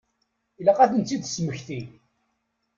Ilaq ad tent-id-tesmekti.